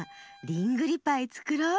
リングリパイつくろう。